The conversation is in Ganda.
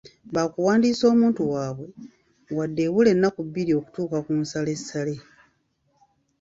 Bakuwandiisa omuntu waabwe wadde ebula ennaku bbiri okutuuka ku nsalessale,